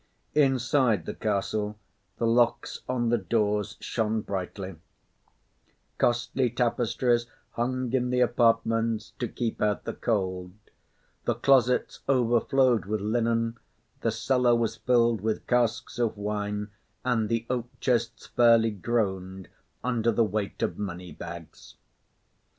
Inside the castle, the locks on the doors shone brightly; costly tapestries hung in the apartments to keep out the cold; the closets overflowed with linen, the cellar was filled with casks of wine, and the oak chests fairly groaned under the weight of money bags.